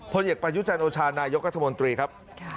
ผลเอกประยุจันโอชาณายกกระธามนตรีครับ